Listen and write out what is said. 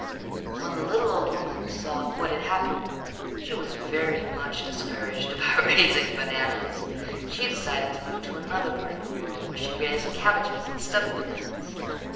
When the little old woman saw what had happened she was very much discouraged about raising bananas. She decided to move to another part of the world where she raised cabbages instead of bananas.